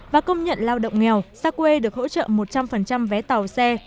và công nhận lao động nghèo xa quê được hỗ trợ một trăm linh vé tàu xe